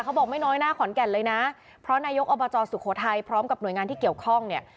บอกไม่น้อยหน้าขอนแก่นเลยนะเพราะนายกอบจสุโขทัยพร้อมกับหน่วยงานที่เกี่ยวข้องเนี่ย